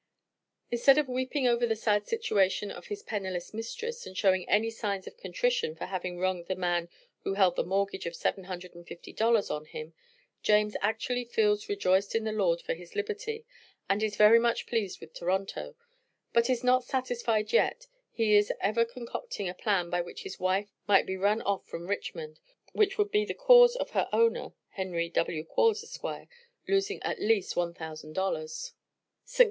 Instead of weeping over the sad situation of his "penniless" mistress and showing any signs of contrition for having wronged the man who held the mortgage of seven hundred and fifty dollars on him, James actually "feels rejoiced in the Lord for his liberty," and is "very much pleased with Toronto;" but is not satisfied yet, he is even concocting a plan by which his wife might be run off from Richmond, which would be the cause of her owner (Henry W. Quarles, Esq.) losing at least one thousand dollars, ST.